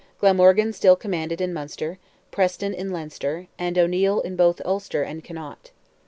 Glamorgan still commanded in Munster, Preston in Leinster, and O'Neil in both Ulster and Connaught.